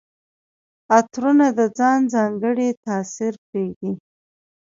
عطرونه د ځان ځانګړی تاثر پرېږدي.